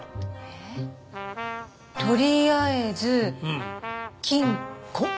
えっとりあえず金庫？